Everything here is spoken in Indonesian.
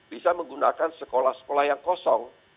bisa menggunakan sekolah sekolah yang kosong